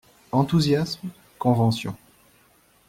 Enthousiasme, convention